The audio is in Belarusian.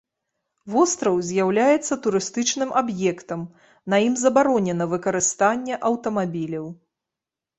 Востраў з'яўляецца турыстычным аб'ектам, на ім забаронена выкарыстанне аўтамабіляў.